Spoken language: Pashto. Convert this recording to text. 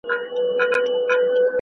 زما په اند مطالعه يو ګټور مصروفيت دی.